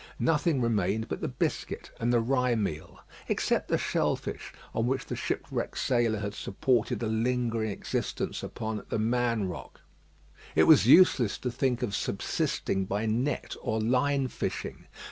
Nothing remained but the biscuit and the rye meal, except the shell fish, on which the shipwrecked sailor had supported a lingering existence upon "The Man Rock." It was useless to think of subsisting by net or line fishing.